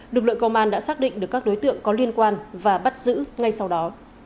lực lượng công an đã xác định được các đối tượng có liên quan và bắt giữ ngay sau đó